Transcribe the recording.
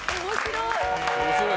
面白い。